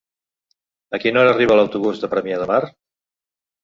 A quina hora arriba l'autobús de Premià de Mar?